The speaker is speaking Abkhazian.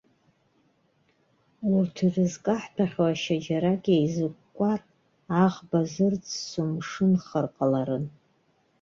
Урҭ ирызкаҳҭәахьоу ашьа џьарак еизыкәкәар, аӷба зырӡсо мшынхар ҟаларын.